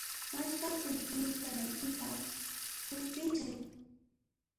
Ashka qullqiyuq kanaykipaq qullqichay